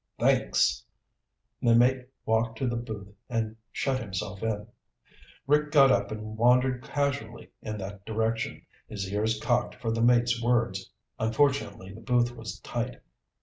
"Thanks." The mate walked to the booth and shut himself in. Rick got up and wandered casually in that direction, his ears cocked for the mate's words. Unfortunately, the booth was tight.